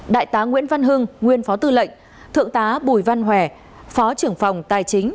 đại tá nguyễn văn hưng nguyên phó tư lệnh thượng tá bùi văn hòe phó trưởng phòng tài chính